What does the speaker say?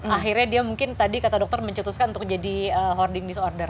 akhirnya dia mungkin tadi kata dokter mencetuskan untuk jadi hoarding disorder